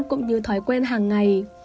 cũng như thói quen hàng ngày